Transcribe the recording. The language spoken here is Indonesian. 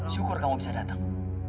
syukur kamu bisa datang